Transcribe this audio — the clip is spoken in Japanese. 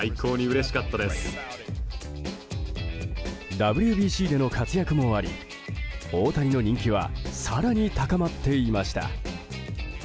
ＷＢＣでの活躍もあり大谷の人気は更に高まっていました。